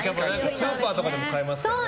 スーパーとかでも買えますからね。